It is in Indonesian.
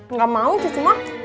nggak mau cucu mah